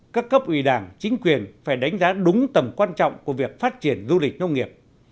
các cấp ủy đảng chính quyền phải đánh giá đúng tầm quan trọng của việc phát triển du lịch nông nghiệp